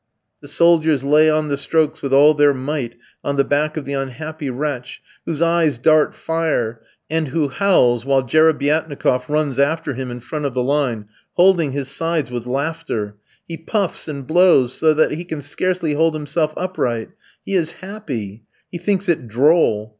The soldiers lay on the strokes with all their might on the back of the unhappy wretch, whose eyes dart fire, and who howls while Jerebiatnikof runs after him in front of the line, holding his sides with laughter he puffs and blows so that he can scarcely hold himself upright. He is happy. He thinks it droll.